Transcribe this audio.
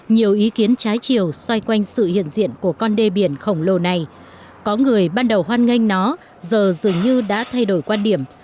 nhiều ý kiến trái chiều xoay quanh sự hiện diện của con đê biển khổng lồ này có người ban đầu hoan nghênh nó giờ dường như đã thay đổi quan điểm